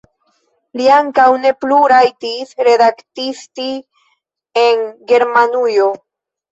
Li ankaŭ ne plu rajtis redaktisti en Germanujo.